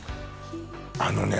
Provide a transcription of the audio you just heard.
あのね